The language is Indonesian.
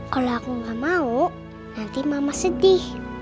kalau aku nggak mau nanti mama sedih